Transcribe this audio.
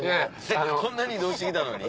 こんなに移動してきたのに？